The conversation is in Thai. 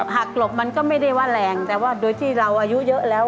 หักหลบมันก็ไม่ได้ว่าแรงแต่ว่าโดยที่เราอายุเยอะแล้ว